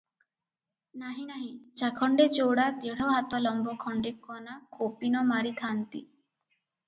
ନାହିଁ, ନାହିଁ ଚାଖଣ୍ଡେ ଚୌଡ଼ା ଦେଢ ହାତ ଲମ୍ବ ଖଣ୍ଡେ କନା କୌପୀନ ମାରିଥାଆନ୍ତି ।